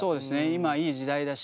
今いい時代だし。